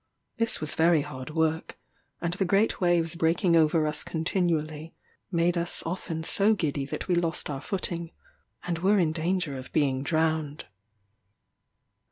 This was very hard work; and the great waves breaking over us continually, made us often so giddy that we lost our footing, and were in danger of being drowned.